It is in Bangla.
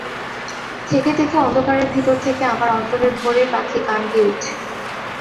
থেকে থেকে অন্ধকারের ভিতর থেকে আমার অন্তরের ভোরের পাখি গান গেয়ে উঠছে।